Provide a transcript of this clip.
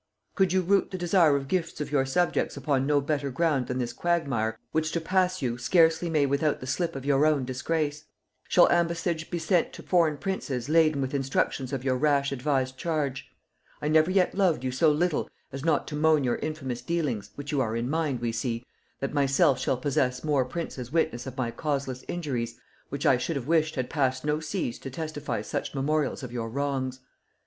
Could you root the desire of gifts of your subjects upon no better ground than this quagmire, which to pass you scarcely may without the slip of your own disgrace? Shall ambassage be sent to foreign princes laden with instructions of your rash advised charge?... I never yet loved you so little as not to moan your infamous dealings, which you are in mind, we see, that myself shall possess more princes witness of my causeless injuries, which I should have wished had passed no seas to testify such memorials of your wrongs.